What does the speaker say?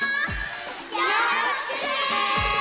よろしくね！